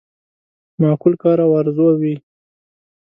معقول کار او آرزو وي.